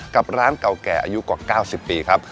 กับร้านเก่าแก่อายุกว่า๙๐ปีครับ